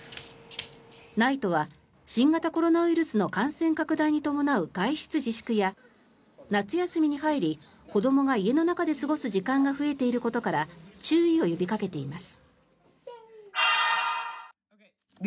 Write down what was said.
ＮＩＴＥは新型コロナウイルスの感染拡大に伴う外出自粛や夏休みに入り子どもが家の中で過ごす時間が増えていることから注意を呼びかけています。